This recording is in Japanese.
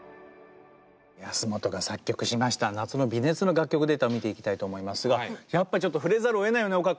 安本が作曲しました「夏の微熱」の楽曲データを見ていきたいと思いますがやっぱりちょっと触れざるをえないよね